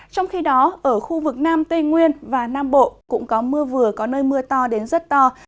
trong khi đó ở khu vực nam tây nguyên và nam bộ cũng có mưa vừa có nơi mưa to đến rất to